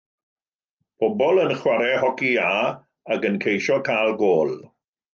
Pobl yn chwarae hoci iâ ac yn ceisio cael gôl.